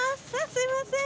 すいません。